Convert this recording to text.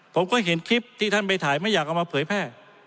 ผมก็เห็นคลิปที่ท่านไปถ่ายไม่อยากเอามาเผยแพร่